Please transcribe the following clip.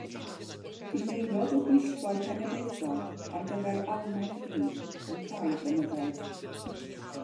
Bu'n aelod o Bwyllgor Cenedlaethol ar gyfer Almaen Rhydd am rai blynyddoedd.